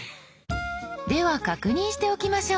では確認しておきましょう。